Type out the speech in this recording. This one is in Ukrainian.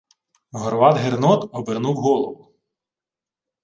Горват-Гернот обернув голову: